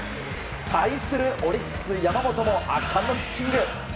対するオリックス山本も圧巻のピッチング。